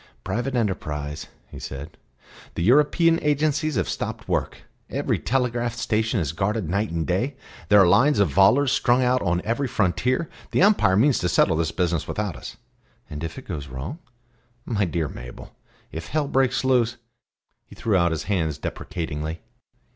"Private enterprise," he said. "The European agencies have stopped work. Every telegraph station is guarded night and day. There are lines of volors strung out on every frontier. The Empire means to settle this business without us." "And if it goes wrong?" "My dear Mabel if hell breaks loose " he threw out his hands deprecatingly.